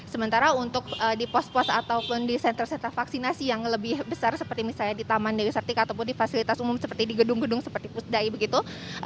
sementara untuk di pos pos ataupun di senter sentra vaksinasi yang lebih besar seperti misalnya di taman dewi sartik ataupun di fasilitas umum seperti di gedung gedung seperti pusdai begitu